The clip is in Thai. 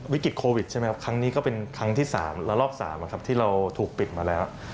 วิกฤตโควิดใช่ไหมครับครั้งนี้ก็เป็นครั้งที่๓และรอบ๓ที่เราถูกปิดมาแล้ว